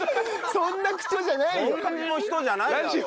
そんな感じの人じゃないだろ！